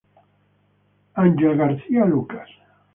Ángel García Lucas